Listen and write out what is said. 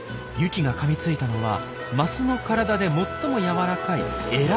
ユキがかみついたのはマスの体で最もやわらかいエラ。